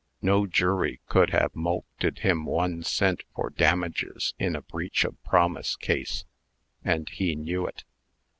No jury could have muleted him one cent for damages in a breach of promise case, and he knew it.